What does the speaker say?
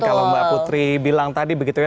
kalau mbak putri bilang tadi begitu ya